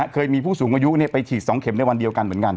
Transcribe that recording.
เคยมีผู้สูงอายุไปฉีด๒เข็มในวันเดียวกันเหมือนกัน